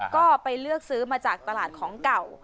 ก็ไปเลือกซื้อมาจากตลาดของเก่า